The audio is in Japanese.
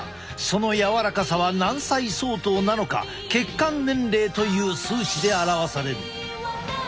その柔らかさは何歳相当なのか血管年齢という数値で表される。